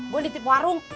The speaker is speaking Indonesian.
gue ditip warung